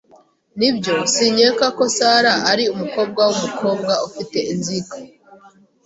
Nibyo, sinkeka ko Sara ari umukobwa wumukobwa ufite inzika.